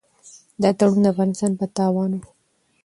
دا تړون د افغانستان په تاوان و.